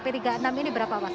p tiga puluh enam ini berapa mas